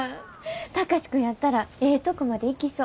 貴司君やったらええとこまでいきそう。